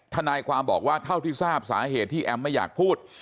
ทนายความบอกว่าเท่าที่ทราบสาเหตุที่แอมไม่อยากพูด